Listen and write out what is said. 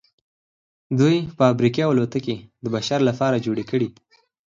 دوی فابریکې او الوتکې د بشر لپاره جوړې کړې